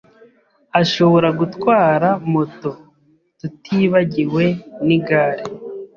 Ashobora gutwara moto, tutibagiwe nigare.